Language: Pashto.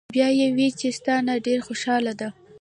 " بیا ئې وې چې " ستا نه ډېره خوشاله ده